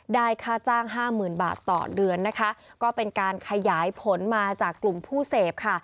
ค่าจ้างห้าหมื่นบาทต่อเดือนนะคะก็เป็นการขยายผลมาจากกลุ่มผู้เสพค่ะ